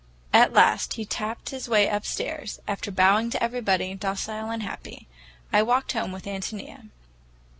At last he tapped his way upstairs, after bowing to everybody, docile and happy. I walked home with Ántonia.